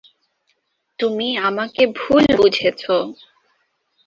তুমি আমাকে ভুল বুঝেছো।